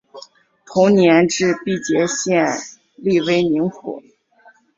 同年置毕节县隶威宁府。